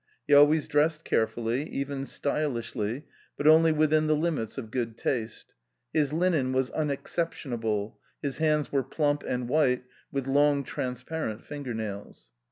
He always dressed carefully, even stylishly, but only within the limits of good taste ; his linen was unexception able; bis hands were plump and white, with long trans parent finger nails.